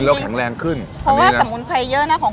คนที่มาทานอย่างเงี้ยควรจะมาทานแบบคนเดียวนะครับ